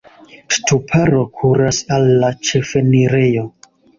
Ŝtuparo kuras al la ĉefenirejo.